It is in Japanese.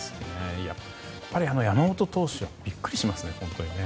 やっぱり山本投手はビックリしますね。